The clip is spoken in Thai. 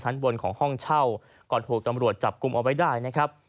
บนของห้องเช่าก่อนถูกตำรวจจับกลุ่มเอาไว้ได้นะครับ